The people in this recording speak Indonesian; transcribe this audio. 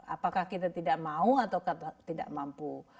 apakah kita tidak mau atau tidak mampu